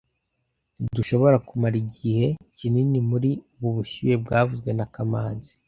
Ntidushobora kumara igihe kinini muri ubu bushyuhe byavuzwe na kamanzi